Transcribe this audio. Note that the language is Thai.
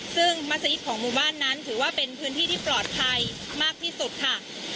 ซึ่งมัศยิตของหมู่บ้านนั้นถือว่าเป็นพื้นที่ที่ปลอดภัยมากที่สุดค่ะ